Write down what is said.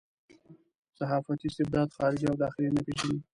صحافتي استبداد خارجي او داخلي نه پېژني.